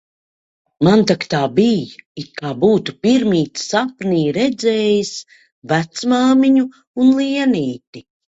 Man tak tā bij, it kā būtu pirmīt sapnī redzējis vecmāmiņu un Lienīti